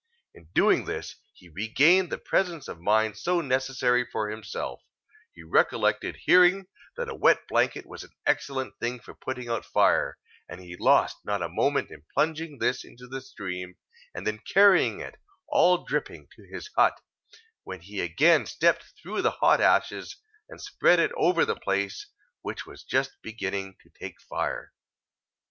In doing this, he regained the presence of mind so necessary for himself: he recollected hearing that a wet blanket was an excellent thing for putting out fire, and he lost not a moment in plunging this into the stream, and then carrying it, all dripping, to his hut, when he again stepped through the hot ashes, and spread it over the place which was just beginning to take fire.